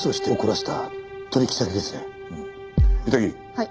はい。